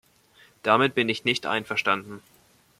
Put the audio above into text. Damit bin ich nicht einverstanden!